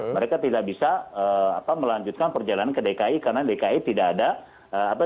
mereka tidak bisa melanjutkan perjalanan ke dki karena dki tidak ada apa